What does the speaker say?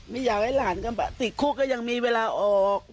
ไม่อยากให้หลานติดคุกก็ยังมีเวลาออก